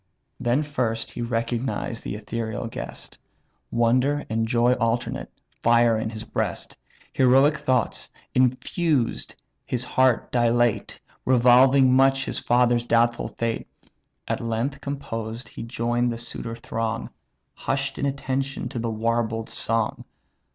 Then first he recognized the ethereal guest; Wonder and joy alternate fire his breast; Heroic thoughts, infused, his heart dilate; Revolving much his father's doubtful fate. At length, composed, he join'd the suitor throng; Hush'd in attention to the warbled song.